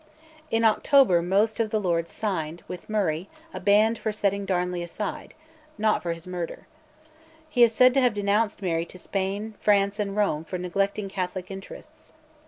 In October most of the Lords signed, with Murray, a band for setting Darnley aside not for his murder. He is said to have denounced Mary to Spain, France, and Rome for neglecting Catholic interests.